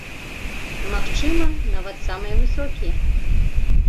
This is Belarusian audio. Магчыма, нават самыя высокія.